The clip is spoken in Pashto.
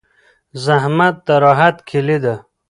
زحمت د راحت کیلي ده.